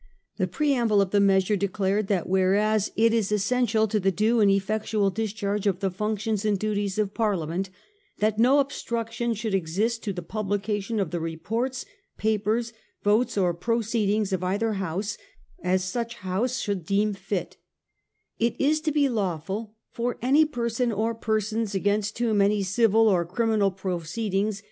The preamble of the measure declared that 1 whereas it is essential to the due and effectual discharge of the functions and duties of Parliament that no obstruction should exist to the publication of the reports, papers, votes, or proceedings of either House as such House should deem fit,' it is to be lawful ' for any person or persons against whom any civil or criminal proceedings shall 1840.